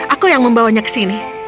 aku yang membawanya ke sini